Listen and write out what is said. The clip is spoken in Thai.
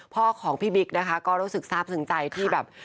พ่อของพี่บิ๊กนะคะก็รู้สึกทราบซึ้งใจที่แบบ